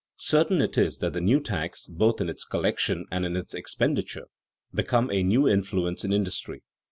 Certain it is that the new tax, both in its collection and in its expenditure, becomes a new influence in industry.